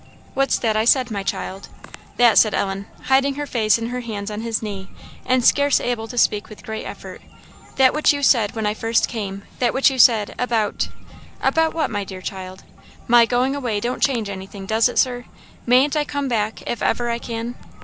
"What's that I said, my child?" "That," said Ellen, hiding her face in her hands on his knee, and scarce able to speak with great effort "that which you said when I first came that which you said about " "About what, my dear child?" "My going away don't change anything, does it, Sir? Mayn't I come back, if ever I can?"